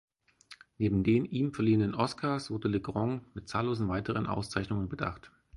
Neben den ihm verliehenen Oscars wurde Legrand mit zahllosen weiteren Auszeichnungen bedacht.